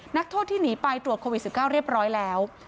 นักโทษที่หนีไปตรวจโควิด๑๙เรียบร้อยแล้ว